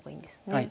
はい。